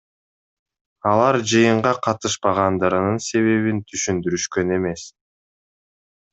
Алар жыйынга катышпагандырынын себебин түшүндүрүшкөн эмес.